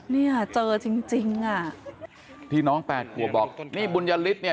เนี่ยเจอจริงจริงอ่ะพี่น้องแปดขวบบอกนี่บุญยฤทธิเนี่ย